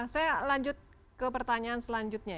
saya lanjut ke pertanyaan selanjutnya